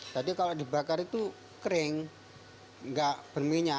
jadi kalau dibakar itu kering enggak berminyak